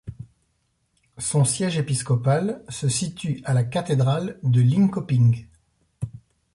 Son siège épiscopal se situe à la Cathédrale de Linköping.